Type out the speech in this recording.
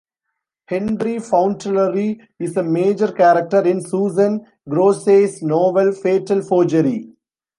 Henry Fauntleroy is a major character in Susan Grossey's novel "Fatal Forgery".